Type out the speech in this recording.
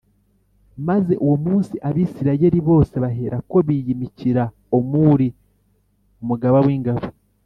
Maze uwo munsi Abisirayeli bose baherako biyimikira Omuri umugaba w’ingabo